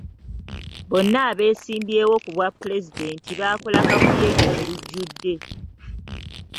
Bonna abeesimbyewo ku bwa pulezidenti baakola kakuyege mu lujjudde.